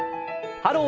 「ハロー！